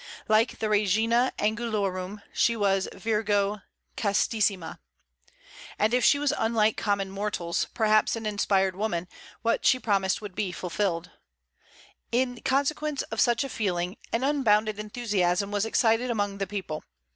Like the regina angelorum, she was virgo castissima. And if she was unlike common mortals, perhaps an inspired woman, what she promised would be fulfilled. In consequence of such a feeling an unbounded enthusiasm was excited among the people.